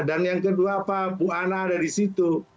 dan yang kedua pak bu ana ada di situ